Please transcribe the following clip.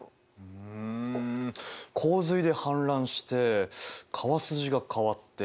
うん洪水で氾濫して川筋が変わって。